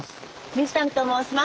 水谷と申します。